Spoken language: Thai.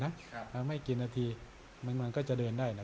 ครับเอาไม่กี่นาทีมันมันก็จะเดินได้น่ะ